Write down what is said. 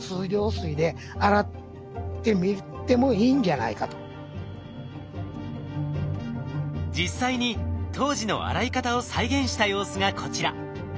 なんと実際に当時の洗い方を再現した様子がこちら。